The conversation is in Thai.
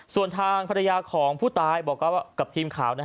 ส่วนทางภรรยาของผู้ตายบอกกับทีมข่าว